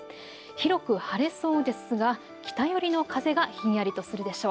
広く晴れそうですが北寄りの風がひんやりとするでしょう。